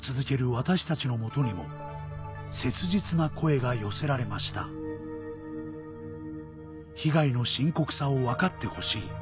私たちの元にも切実な声が寄せられました「被害の深刻さを分かってほしい」